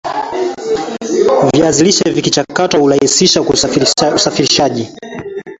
viazi lishe vikichakatwa hurahisisha usafirishaji